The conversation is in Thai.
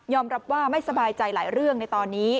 รับว่าไม่สบายใจหลายเรื่องในตอนนี้